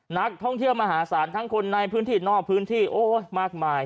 นักท่องเที่ยวมหาศาลทั้งคนในพื้นที่นอกพื้นที่โอ้ยมากมาย